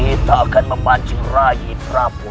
kita akan memancurai terapun